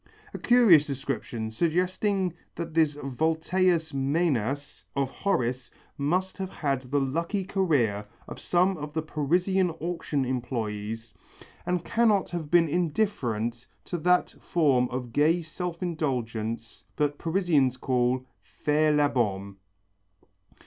A curious description, suggesting that this Vulteius Menas of Horace must have had the lucky career of some of the Parisian auction employés and cannot have been indifferent to that form of gay self indulgence that Parisians call: Faire la bombe.